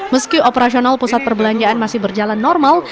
meski operasional pusat perbelanjaan masih berjalan normal